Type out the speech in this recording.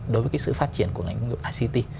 đối với cái sự phát triển của ngành ict